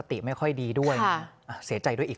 เหนือนทองยังไม่มี